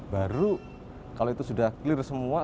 baru kalau itu sudah clear semua